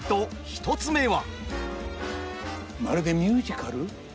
１つ目は。